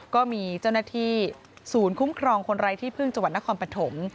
ก็มีเจ้าหน้าที่ศูนย์คุ้มครองคนไร้ที่พึ่งจังหวัดนครปฐม